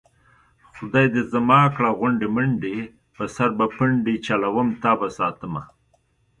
خدای دې زما کړه غونډې منډې په سر به پنډې چلوم تابه ساتمه